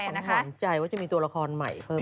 ขวัญใจว่าจะมีตัวละครใหม่เพิ่ม